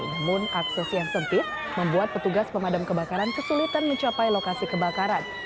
namun akses yang sempit membuat petugas pemadam kebakaran kesulitan mencapai lokasi kebakaran